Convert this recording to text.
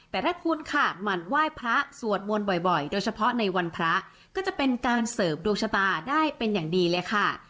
แต่ถ้าคุณค่ะหมั่นไหว้พระสวดมนต์บ่อยโดยเฉพาะในวันพระก็จะเป็นการเสริมดวงชะตาได้เป็นอย่างดีเลยค่ะ